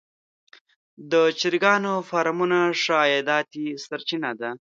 د چرګانو فارمونه ښه عایداتي سرچینه ده.